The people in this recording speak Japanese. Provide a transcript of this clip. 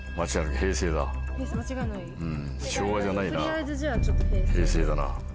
平成だな。